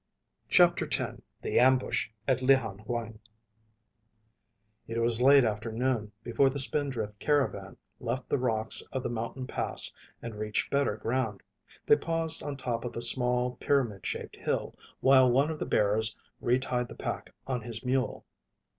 CHAPTER X The Ambush at Llhan Huang It was late afternoon before the Spindrift caravan left the rocks of the mountain pass and reached better ground. They paused on top of a small, pyramid shaped hill while one of the bearers retied the pack on his mule.